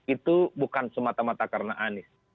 itu bukan semata mata karena anies